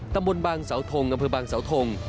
ตำบลบางเสาทงอำเภอบางสาวทง